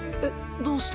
どうして？